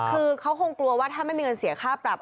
คือเขาคงกลัวว่าถ้าไม่มีเงินเสียค่าปรับ